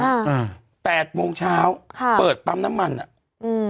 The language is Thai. อ่าอ่าแปดโมงเช้าค่ะเปิดปั๊มน้ำมันอ่ะอืม